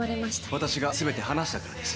私が彼に全て話したからです。